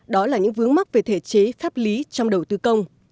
đó là những vướng mắc về thể chế pháp lý trong đầu tư công